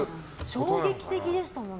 衝撃的でしたもん。